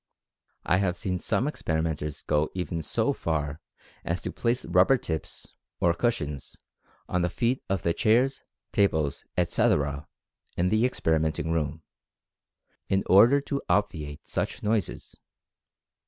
I have seen some experi menters even go so far as to place rubber tips, or cushions, on the feet of the chairs, tables, etc., in the experimenting room, in order to obviate sudden noises.